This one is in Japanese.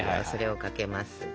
それをかけます。